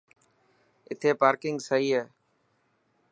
اٿي پارڪنگ سهي هي.